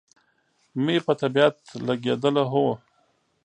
مې په طبیعت لګېده، هو.